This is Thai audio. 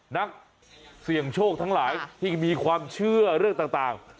นักเสี่ยงโชคทั้งหลายที่มีความเชื่อเรื่องต่าง